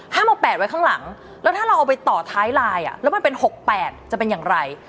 เอา๘ไว้ข้างหลังแล้วถ้าเราเอาไปต่อท้ายไลน์แล้วมันเป็น๖๘จะเป็นอย่างไร